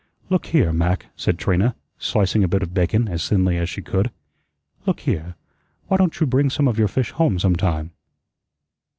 "Look here, Mac," said Trina, slicing a bit of bacon as thinly as she could. "Look here, why don't you bring some of your fish home sometime?"